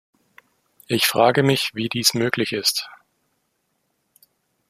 Ich frage mich, wie dies möglich ist.